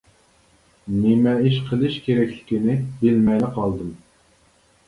نېمە ئىش قىلىش كېرەكلىكىنى بىلمەيلا قالدىم.